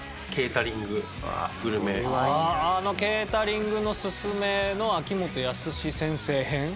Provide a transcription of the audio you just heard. あああの「ケータリングのすすめ」の秋元康先生編？